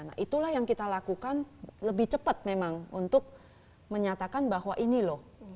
nah itulah yang kita lakukan lebih cepat memang untuk menyatakan bahwa ini loh